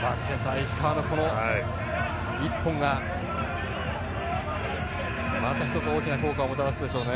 石川の１本がまた一つ大きな効果をもたらすでしょうね。